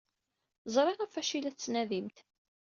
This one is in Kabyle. Ẓriɣ ɣef wacu ay la tettnadimt.